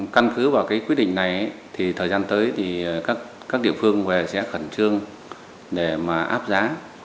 căn cứ vào quyết định này thời gian tới các địa phương sẽ khẩn trương để áp giá